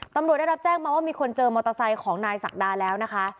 ตำรวจได้รับแจ้งมาว่ามีคนเจอมอเตอร์ไซค์ของนายศักดาแล้วนะคะ